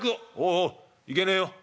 「おうおういけねえよ。